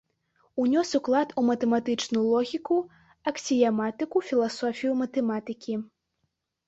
Унёс уклад у матэматычную логіку, аксіяматыку, філасофію матэматыкі.